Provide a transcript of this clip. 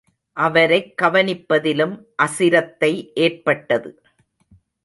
அவரைக் கவனிப்பதிலும் அசிரத்தை ஏற்பட்டது.